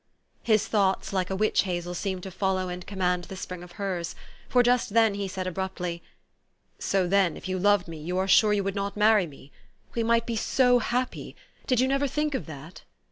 His thoughts, like a witch hazel, seemed to follow and command the spring of hers ; for just then he said abruptly, " So, then, if you loved me, you are sure you would not marry me ? We might be so happy ! Did you never think of that?"